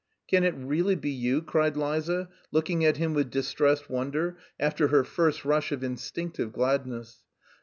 "Can it really be you?" cried Liza, looking at him with distressed wonder, after her first rush of instinctive gladness.